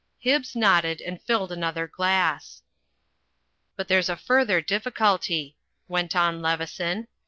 Hibbs nodded, and filled another glass. "But there's a further difficulty," went on Leveson.